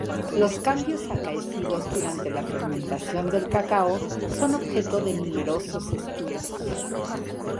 Los cambios acaecidos durante la fermentación del cacao son objeto de numerosos estudios.